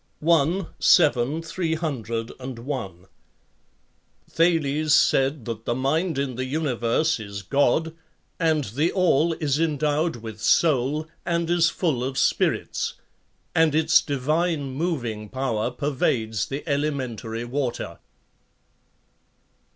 7; 301. Thales said that the mind in the universe is god, and the all is endowed with soul and is full of spirits; and its divine moving power pervades the elementary water.